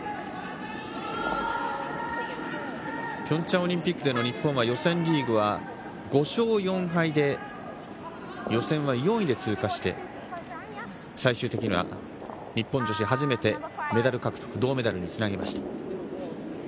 ピョンチャンオリンピックでの日本は予選リーグは５勝４敗で予選は４位で通過して最終的には日本女子初めてメダル獲得、銅メダルにつながりました。